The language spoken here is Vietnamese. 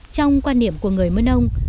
trong quan niệm của người mơ nông